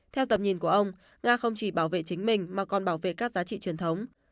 theo tầm nhìn của ông ga không chỉ bảo vệ chính mình mà còn bảo vệ các giá trị truyền thống